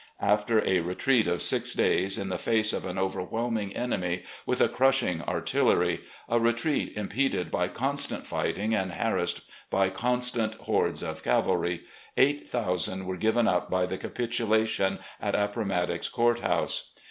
After a retreat of six days, in the face of an overwhelming enemy, with a crushing artillery — a, retreat impeded by constant fighting and harassed by countless hordes of cavalry — eight thou sand were given up by the capitulation at Appomattox Court House.